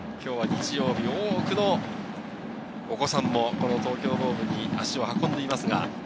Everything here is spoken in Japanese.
日曜日、多くのお子さんも東京ドームに足を運んでいます。